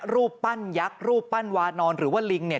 รูปปั้นยักษ์รูปปั้นวานอนหรือว่าลิงเนี่ย